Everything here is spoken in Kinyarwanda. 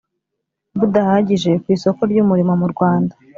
budahagije ku isoko ry umurimo mu Rwanda